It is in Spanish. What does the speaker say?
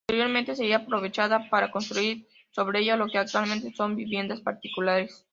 Posteriormente sería aprovechada para construir sobre ella lo que actualmente son viviendas particulares.